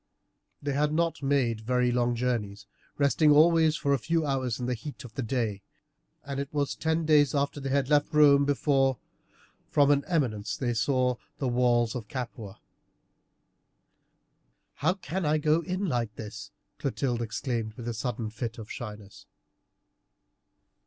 They had not made very long journeys, resting always for a few hours in the heat of the day, and it was ten days after they had left Rome before, from an eminence, they saw the walls of Capua. "How can I go in like this?" Clotilde exclaimed in a sudden fit of shyness.